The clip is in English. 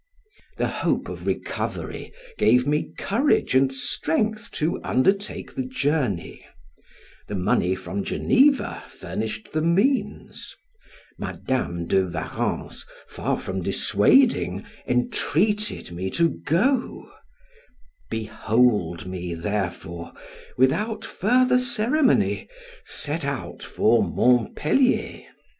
The hope of recovery gave me courage and strength to undertake the journey; the money from Geneva furnished the means; Madam de Warrens, far from dissuading, entreated me to go: behold me, therefore, without further ceremony, set out for Montpelier!